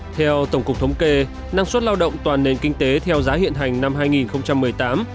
theo tổng cục thống kê năng suất lao động toàn nền kinh tế theo giá hiện hành năm hai nghìn một mươi tám